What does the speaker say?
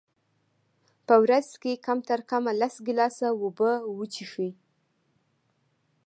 په ورځ کي کم ترکمه لس ګیلاسه اوبه وچیښئ